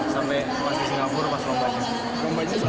sampai kelas di singapura pas rombanya